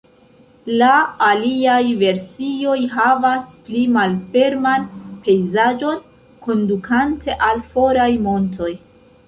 La aliaj versioj havas pli malferman pejzaĝon, kondukante al foraj montoj.